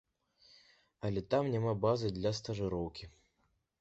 Але там няма базы для стажыроўкі.